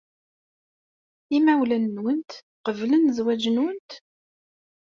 Imawlan-nwent qeblen zzwaj-nwent?